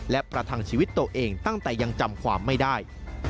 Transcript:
และประทังชีวิตตัวเองตั้งแต่ยังจำความไม่ได้